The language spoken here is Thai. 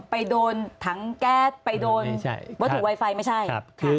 ไปโดนถังแก๊สไปโดนวัตถุไวไฟไม่ใช่